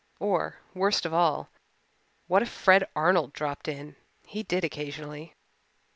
Or, worst of all, what if Fred Arnold dropped in? He did occasionally.